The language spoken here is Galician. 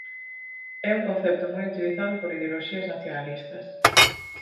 É un concepto moi utilizado por ideoloxías nacionalistas.